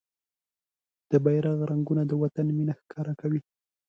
د بېرغ رنګونه د وطن مينه ښکاره کوي.